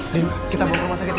din kita pulang rumah sakit ya